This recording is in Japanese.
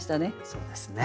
そうですね。